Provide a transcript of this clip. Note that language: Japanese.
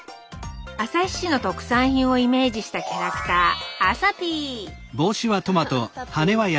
旭市の特産品をイメージしたキャラクターあさピー！